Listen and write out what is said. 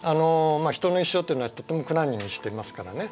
人の一生というのはとても苦難に満ちていますからね